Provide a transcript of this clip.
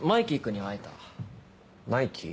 マイキー？